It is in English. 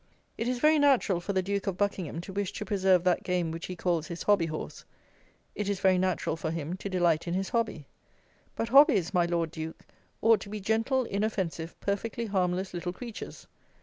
It is very natural for the Duke of Buckingham to wish to preserve that game which he calls his hobby horse; it is very natural for him to delight in his hobby; but hobbies, my Lord Duke, ought to be gentle, inoffensive, perfectly harmless little creatures.